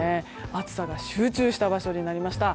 暑さが集中した場所になりました。